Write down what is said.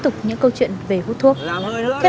đúng không ạ